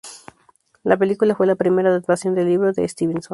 La película fue la primera adaptación del libro de Stevenson.